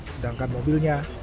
sedangkan mobilnya diganti